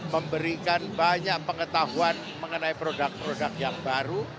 memberikan banyak pengetahuan mengenai produk produk yang baru